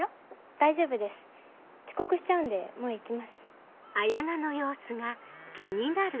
大丈夫です遅刻しちゃうんでもう行きます。